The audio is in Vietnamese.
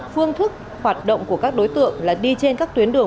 phương thức hoạt động của các đối tượng là đi trên các tuyến đường